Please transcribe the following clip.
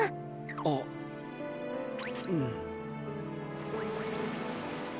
あっうん。